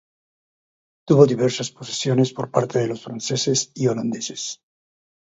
Tuvo diversas posesiones por parte de los franceses y holandeses.